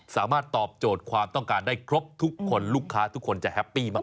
สามารถตอบโจทย์ความต้องการได้ครบทุกคนลูกค้าทุกคนจะแฮปปี้มาก